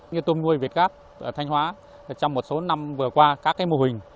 như tôm nuôi việt gáp ở thanh hóa trong một số năm vừa qua các mô hình